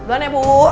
luan ya bu